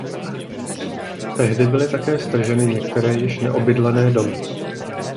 Tehdy byly také strženy některé již neobydlené domy.